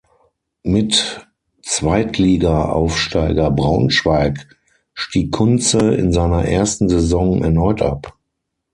Mit Zweitligaaufsteiger Braunschweig stieg Kunze in seiner ersten Saison erneut ab.